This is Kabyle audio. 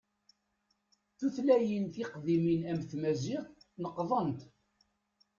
Tutlayin tiqdimin am tmazight neqḍent.